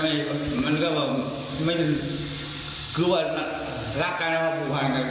มันก็บอกคือว่ารักกันแล้วผูกพันกัน